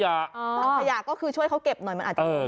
ทางเขยะก็คือช่วยเขาเก็บหน่อยมันอาจจะทำเรียบร้อย